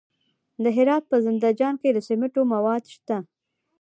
د هرات په زنده جان کې د سمنټو مواد شته.